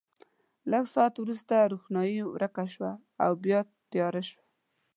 لږ ساعت وروسته روښنايي ورکه شوه او بیا تیاره شوه.